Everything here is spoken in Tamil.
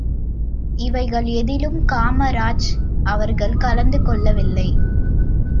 இவைகள் எதிலும் காமராஜ் அவர்கள் கலந்து கொள்ளவில்லை.